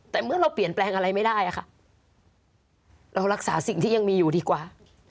แต่เมื่อเราเปลี่ยนแปลงอะไรไม่ได้อะค่ะเรารักษาสิ่งที่ยังมีอยู่ดีกว่า